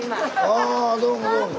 あどうもどうも。